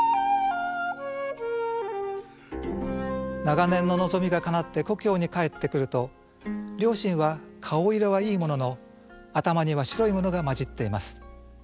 長年の望みがかなって故郷に帰ってくると両親は顔色はいいものの頭には白いものが混じっています。